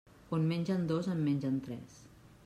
On mengen dos en mengen tres.